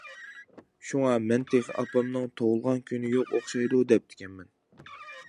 شۇڭا مەن تېخى ئاپامنىڭ تۇغۇلغان كۈنى يوق ئوخشايدۇ دەپتىكەنمەن.